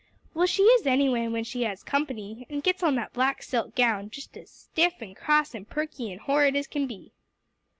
"Well, she is anyway when she has company, and gets on that black silk gown; just as stiff and cross and perky and horrid as can be."